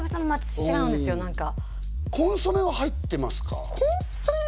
いやコンソメは入ってますか？